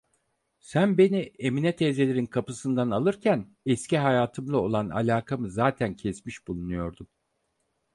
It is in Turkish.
Sen beni Emine teyzelerin kapısından alırken eski hayatımla olan alakamı zaten kesmiş bulunuyordum.